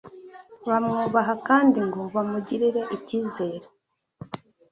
bamwubaha kandi ngo bamugirire icyizere,